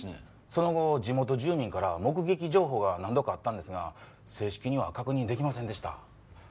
その後地元住民から目撃情報が何度かあったんですが正式には確認出来ませんでした。